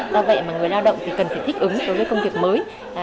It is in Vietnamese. do vậy mà người lao động thì cần phải thích ứng đối với công việc mới